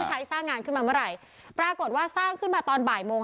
สร้างงานขึ้นมาเมื่อไหร่ปรากฏว่าสร้างขึ้นมาตอนบ่ายโมง